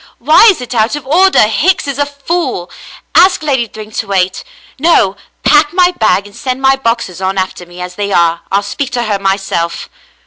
"Why is it out of order? Hicks is a fool. Ask Lady Thryng to wait. No, pack my bag and send my boxes on after me as they are. I'll speak to her myself."